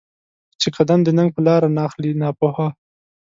چې قـــــدم د ننــــــــګ په لار ناخلې ناپوهه